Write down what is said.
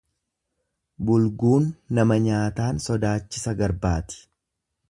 Bulguun nama nyaataan sodaachisa garbaati.